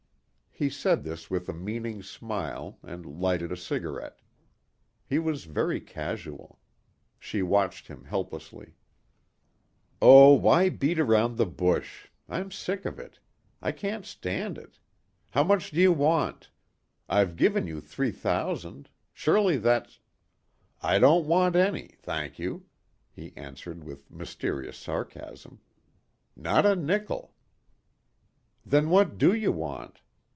He said this with a meaning smile and lighted a cigarette. He was very casual. She watched him helplessly. "Oh, why beat around the bush. I'm sick of it. I can't stand it. How much do you want? I've given you three thousand. Surely that's...." "I don't want any, thank you," he answered with mysterious sarcasm. "Not a nickle." "Then what do you want?"